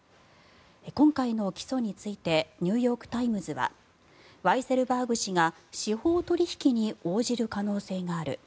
今回の起訴についてニューヨーク・タイムズはワイセルバーグ氏が司法取引に応じる可能性がある。